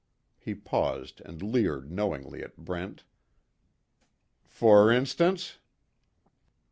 He paused and leered knowingly at Brent. "For instance?"